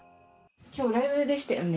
今日ライブでしたよね？